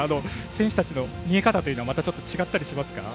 選手たちの見え方というのはまたちょっと違ったりしますか？